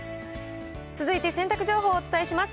続いて洗濯情報をお伝えします